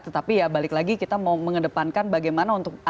tetapi ya balik lagi kita mau mengedepankan bagaimana untuk